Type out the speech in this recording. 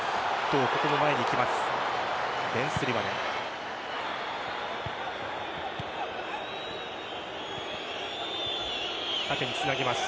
ここも前に行きます。